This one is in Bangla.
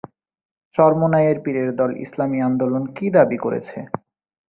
চরমোনাইয়ের পীরের দল ইসলামী আন্দোলন কি দাবি করেছে?